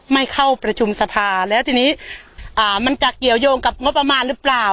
ไม่เข้าประชุมสภาแล้วทีนี้มันจะเกี่ยวยงกับงบประมาณหรือเปล่า